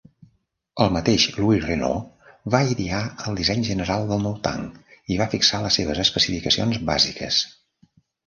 El mateix Louis Renault va idear el disseny general del nou tanc i va fixar les seves especificacions bàsiques.